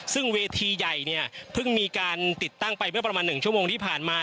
ซึ่งเวทีใหญ่เนี่ยเพิ่งมีการติดตั้งไปเมื่อประมาณ๑ชั่วโมงที่ผ่านมา